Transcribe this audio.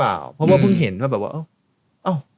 เปลี่ยบไปว่าเพิ่งเห็นว่ามันก็ได้